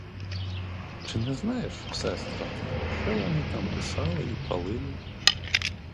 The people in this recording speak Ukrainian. Чи не знаєш, сестро, що вони там писали й палили?